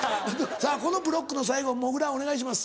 さぁこのブロックの最後もぐらお願いします。